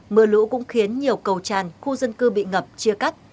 mưa lũ cũng khiến nhiều cầu tràn khu dân cư bị ngập chia cắt